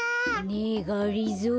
ねえがりぞー。